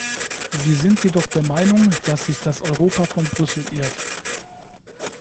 Wir sind jedoch der Meinung, dass sich das Europa von Brüssel irrt.